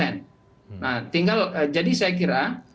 nah tinggal jadi saya kira